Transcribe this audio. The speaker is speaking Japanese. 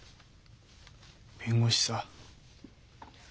弁護士さ。